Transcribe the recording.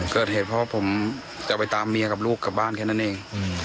เกิดเหตุเพราะว่าผมจะไปตามเมียกับลูกกลับบ้านแค่นั้นเอง